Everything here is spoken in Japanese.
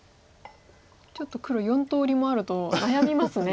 ちょっと黒４通りもあると悩みますね。